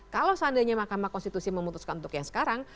kalau seandainya mahkamah konstitusi memutuskan untuk yang sekarang